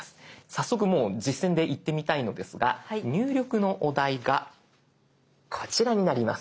早速もう実践でいってみたいのですが入力のお題がこちらになります。